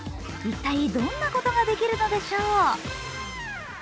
一体どんなことができるのでしょう？